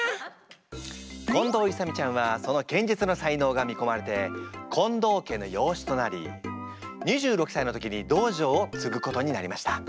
近藤勇ちゃんはその剣術の才能が見込まれて近藤家の養子となり２６歳の時に道場をつぐことになりました。